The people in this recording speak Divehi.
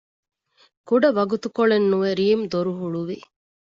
ކުޑަ ވަގުތުކޮޅެއް ނުވެ ރީމް ދޮރު ހުޅުވި